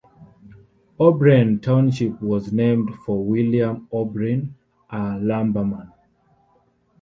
O'Brien Township was named for William O'Brien, a lumberman.